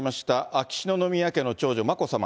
秋篠宮家の長女、眞子さま。